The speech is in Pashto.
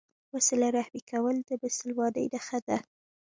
وسیله رحمي کول د مسلمانۍ نښه ده.